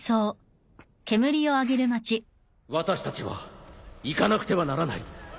私たちは行かなくてはならない